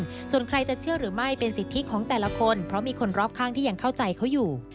ส่วนใครจะเชื่อหรือไม่เป็นสิทธิของแต่ละคนเพราะมีคนรอบข้างที่ยังเข้าใจเขาอยู่